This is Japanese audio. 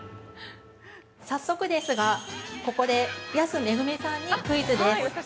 ◆早速ですが、ここで安めぐみさんにクイズです。